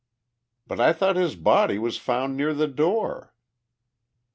"But I thought his body was found near the door?"